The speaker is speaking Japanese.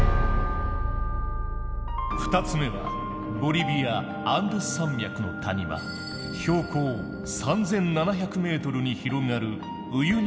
二つ目はボリビアアンデス山脈の谷間標高３，７００ｍに広がるウユニ塩湖。